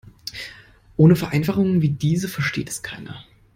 Ohne Vereinfachungen wie diese versteht es keiner.